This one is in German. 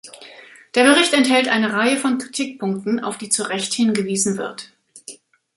Der Bericht enthält eine Reihe von Kritikpunkten, auf die zu Recht hingewiesen wird.